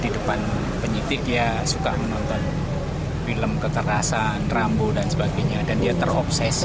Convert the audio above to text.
di depan penyidik dia suka menonton film keterasan rampo dan sebagainya dan dia terobsesi